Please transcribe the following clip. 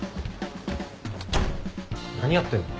何やってんの？